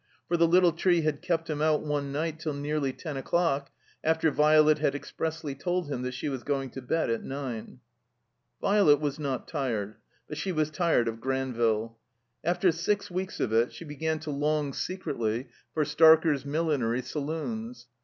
For the little tree had kept him out one night till nearly ten o'clock, after Violet had expressly told him that she was going to bed at nine. Violet was not tired; but she was tired of Gran ville. After six weeks of it she began to long secretly U7 THE COMBINED MAZE for Starker's Millinery Saloons.